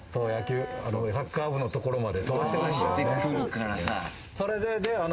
サッカー部のところまで。